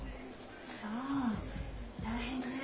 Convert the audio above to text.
そう大変ね。